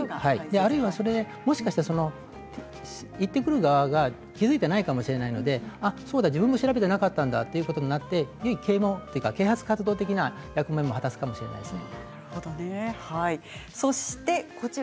あるいは言って来る方が気付いていないかもしれないのでそうだ、自分も調べていなかったんだということになっていい啓発活動的な役目も果たすかもしれませんね。